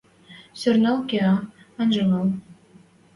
Сӓрнӓл кеӓ, анжы вел.